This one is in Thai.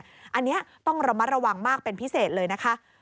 อันนี้ต้องระมัดระวังมากเป็นพิเศษเลยนะคะ